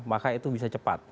maka itu bisa cepat